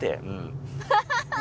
ハハハハ！